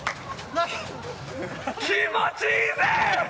気持ちいいぜ！